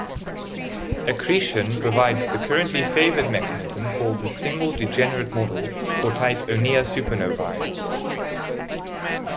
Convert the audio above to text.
Accretion provides the currently favored mechanism called the "single-degenerate model" for Type Onea supernovae.